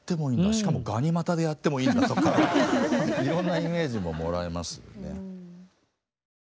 しかもがに股でやってもいいんだ」とかいろんなイメージももらえますよね。